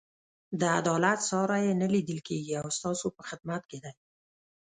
د عدالت ساری یې نه لیدل کېږي او ستاسو په خدمت کې دی.